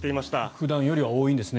普段よりは多いんですね